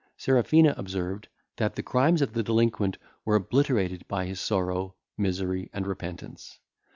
Serafina observed, that the crimes of the delinquent were obliterated by his sorrow, misery, and repentance.